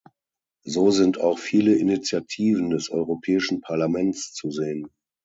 So sind auch viele Initiativen des Europäischen Parlaments zu sehen.